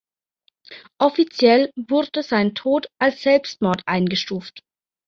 Offiziell wurde sein Tod als Selbstmord eingestuft.